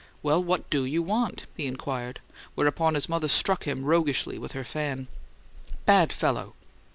"Well, what DO you want?" he inquired, whereupon his mother struck him roguishly with her fan. "Bad fellow!"